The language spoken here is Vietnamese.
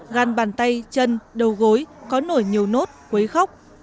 gan bàn tay chân đầu gối có nổi nhiều nốt quấy khóc